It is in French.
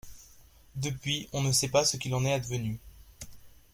Depuis, on ne sait pas ce qu'il en est advenu.